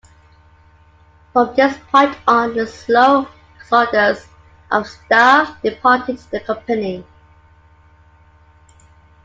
From this point on, a slow exodus of staff departed the company.